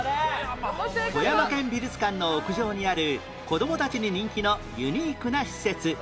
富山県美術館の屋上にある子どもたちに人気のユニークな施設